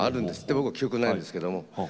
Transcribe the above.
僕記憶ないですけども。